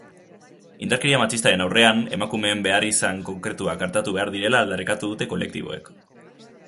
Indarkeria matxistaren aurrean emakumeen beharrizan konkretuak artatu behar direla aldarrikatu dute kolektiboek.